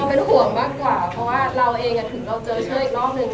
เป็นห่วงมากกว่าเพราะว่าเราเองถึงเราเจอเชื้ออีกรอบหนึ่ง